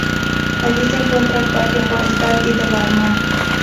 Allí se encuentran el Parque Forestal y de la Armada.